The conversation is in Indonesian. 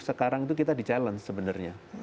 sekarang itu kita di challenge sebenarnya